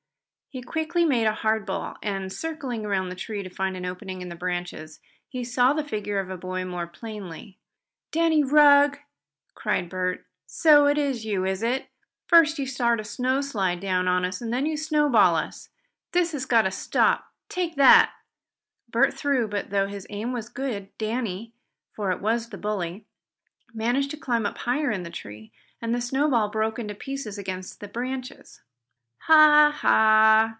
He quickly made a hard ball, and, circling around the tree to find an opening in the branches, he saw the figure of the boy more plainly. "Danny Rugg!" cried Bert. "So it's you; is it? First you start a snowslide down on us and then you snowball us. This has got to stop. Take that!" Bert threw, but though his aim was good, Danny, for it was the bully, managed to climb up higher in the tree, and the snowball broke into pieces against the branches. "Ha! Ha!"